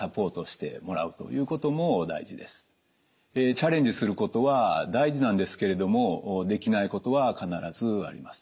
チャレンジすることは大事なんですけれどもできないことは必ずあります。